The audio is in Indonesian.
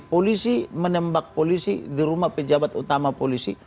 polisi menembak polisi di rumah pejabat utama polisi